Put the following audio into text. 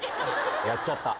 やっちゃった。